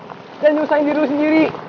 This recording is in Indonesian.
jangan nyusahin diri lo sendiri